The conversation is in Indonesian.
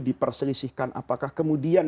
diperselisihkan apakah kemudian